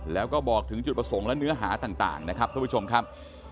แล้วก็บอกถึงจุดประสงค์และเนื้อหาต่างนะครับ